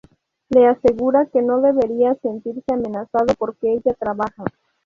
Le asegura que no debería sentirse amenazado porque ella trabaja.